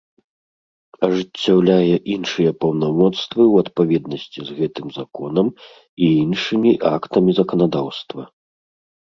Ажыццяўляе iншыя паўнамоцтвы ў адпаведнасцi з гэтым Законам i iншымi актамi заканадаўства.